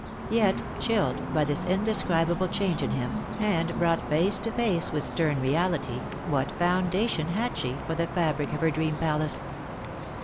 Yet, chilled by this indescribable change in him, and brought face to face with stern reality, what foundation had she for the fabric of her dream palace